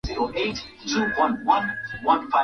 Viatu vyake vinapendeza